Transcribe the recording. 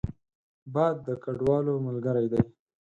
باد د کډوالو ملګری دی